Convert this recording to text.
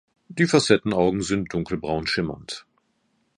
Die Facettenaugen sind dunkelbraun schimmernd.